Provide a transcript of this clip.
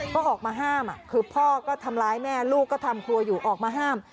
ก็ออกมาห้ามคือพ่อก็ทำร้ายแม่ลูกก็ทำครัวอยู่ออกมาห้าม